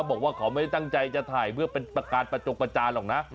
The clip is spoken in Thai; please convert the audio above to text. บอกว่าเขาไม่ได้ตั้งใจจะถ่ายเพื่อเป็นประการประจงประจานหรอกนะ